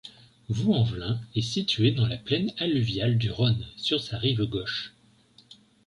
Vaulx-en-Velin est située dans la plaine alluviale du Rhône, sur sa rive gauche.